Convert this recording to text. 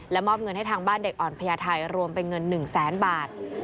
มอบเงินให้ทางบ้านเด็กอ่อนพญาไทยรวมเป็นเงิน๑แสนบาท